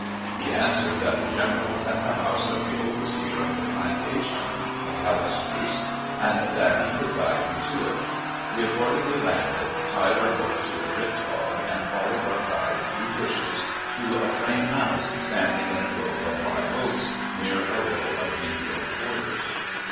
He answered that the general was at the house of the overseer of the plantation (McAllister's), and that he could guide me to it. We accordingly landed, tied our boat to a driftlog, and followed our guide through bushes to a frame house, standing in a grove of live oaks, near a row of negro quarters.